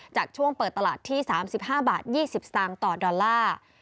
จากช่วงเปิดตลาดที่๓๕บาท๒๐สตางค์ต่อดอลลาร์